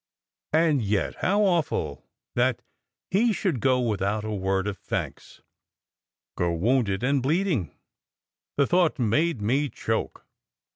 "And yet, how awful that he should go without a word of thanks go wounded and bleeding!" The thought made me choke.